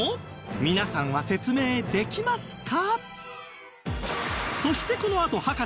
皆さんは説明できますか？